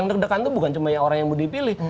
itu bukan cuma orang yang mau dipilih